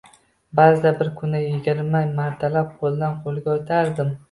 Ba`zida bir kunda yigirma martalab qo`ldan-qo`lga o`tardim